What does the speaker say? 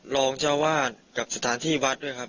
รองเจ้าวาดกับสถานที่วัดด้วยครับ